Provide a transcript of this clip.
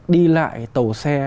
đi lại tàu xe